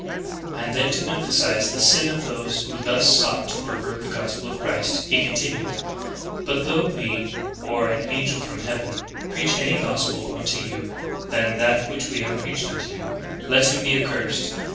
And then, to em phasize the sin of those who thus sought to ''pervert the gospel of Christ," he continued : ''But though we, or an angel from heaven, preach any other gospel unto you than that which we have preached unto you, let him be accursed.